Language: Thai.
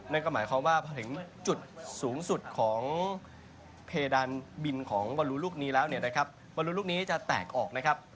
นั่นก็หมายความว่าพอถึงจุดสูงสุดของเพดานบินของบอลลูลูกนี้แล้วเนี่ยนะครับบอลลูลูกนี้จะแตกออกนะครับ